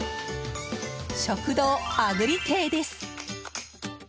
食堂あぐり亭です。